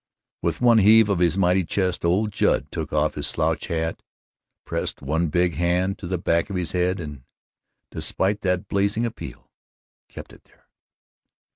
With one heave of his mighty chest old Judd took off his slouch hat, pressed one big hand to the back of his head and, despite that blazing appeal, kept it there.